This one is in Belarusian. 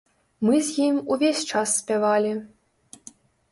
Мы з ім увесь час спявалі.